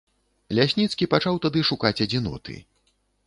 Лясніцкі пачаў тады шукаць адзіноты.